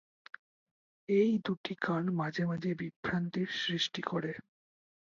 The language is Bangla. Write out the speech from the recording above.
এই দুটি গান মাঝে মাঝে বিভ্রান্তির সৃষ্টি করে।